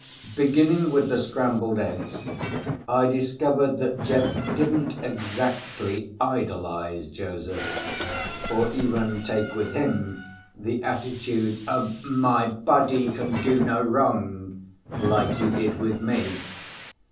Beginning with the scrambled eggs, I discovered that Jeff didn't exactly idolize Joseph—or even take with him the attitude of "My buddy can do no wrong," like he did with me.